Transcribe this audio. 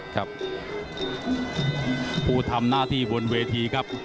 ครับผู้ทำหน้าที่บนเวทีครับ